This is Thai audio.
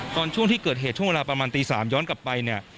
ตอนช่วงที่เกิดเหตุช่วงเวลาประมาณตี๓ย้อนกลับไปเนี่ย